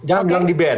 jangan bilang di ban